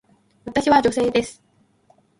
私は女性です。